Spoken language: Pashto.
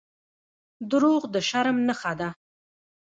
• دروغ د شرم نښه ده.